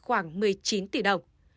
khoảng một mươi chín tỷ đồng